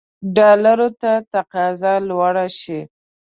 ډالرو ته تقاضا لوړه شي.